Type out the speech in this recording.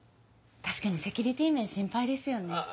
確かにセキュリティー面心配ですよね。